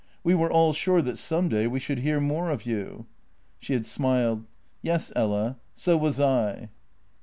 We were all sure that some day we should hear more of you." She had smiled: "Yes, Ella; so was I."